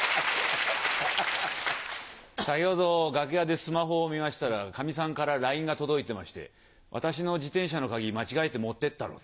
先ほど楽屋でスマホを見ましたらかみさんからＬＩＮＥが届いてまして「私の自転車の鍵間違えて持ってったろう。